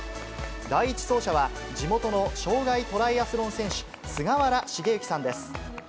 第１走者は、地元の障がいトライアスロン選手、菅原繁幸さんです。